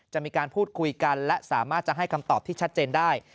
จะมีการพูดคุยกันและสามารถจะให้คำตอบที่ชัดเจนได้